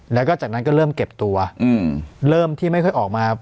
แล้วก็จากนั้นก็เริ่มเก็บตัวเริ่มที่ไม่ค่อยออกมา